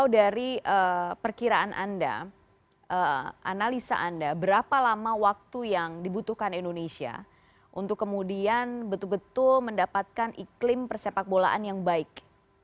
dari perkiraan anda analisa anda berapa lama waktu yang dibutuhkan indonesia untuk kemudian betul betul mendapatkan iklim persepak bolaan yang baik